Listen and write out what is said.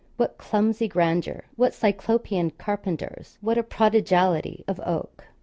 What clumsy grandeur! What Cyclopean carpenters! What a prodigality of oak!